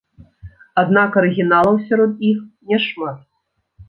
Аднак арыгіналаў сярод іх няшмат.